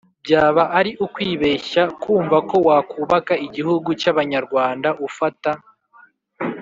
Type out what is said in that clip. Byaba ari ukwibeshya kumva ko wakubaka igihugu cy'abanyarwanda ufata